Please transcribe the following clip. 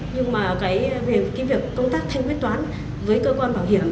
nhưng mà việc công tác thanh quyết toán với cơ quan bảo hiểm